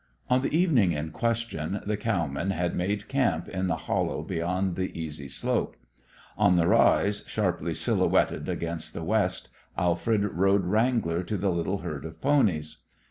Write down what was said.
On the evening in question the cowmen had made camp in the hollow beyond the easy slope. On the rise, sharply silhouetted against the west, Alfred rode wrangler to the little herd of ponies.